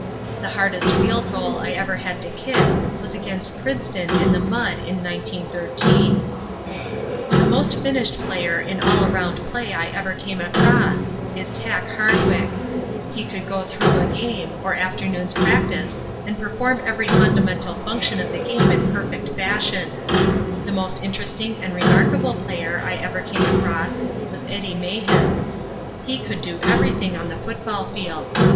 The hardest field goal I ever had to kick was against Princeton in the mud in 1913. [Illustration: THE EVER RELIABLE BRICKLEY] [Illustration: A FOOTBALL THOROUGHBRED TACK HARDWICK] "The most finished player in all around play I ever came across is Tack Hardwick. He could go through a game, or afternoon's practice and perform every fundamental function of the game in perfect fashion. The most interesting and remarkable player I ever came across was Eddie Mahan. He could do anything on the football field.